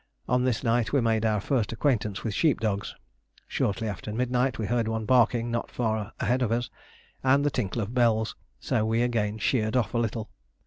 On this night we made our first acquaintance with sheep dogs. Shortly after midnight we heard one barking not far ahead of us, and the tinkle of bells, so we again sheered off a little.